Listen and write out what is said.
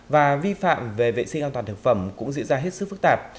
và vi phạm về vệ sinh an toàn thực phẩm cũng diễn ra hết sức phức tạp